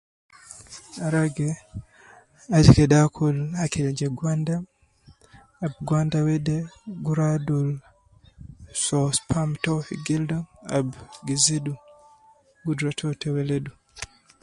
Ragi aju kede akul akil je gwanda gwanda wede gi rua awun fi soo sperm to fi gildu ab gi zidu gudra to te weledu